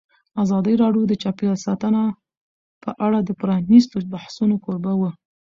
ازادي راډیو د چاپیریال ساتنه په اړه د پرانیستو بحثونو کوربه وه.